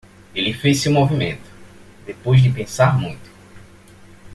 Ele fez seu movimento, depois de pensar muito